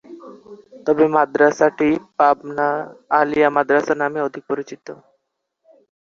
তবে মাদ্রাসাটি পাবনা আলিয়া মাদ্রাসা নামেই অধিক পরিচিত।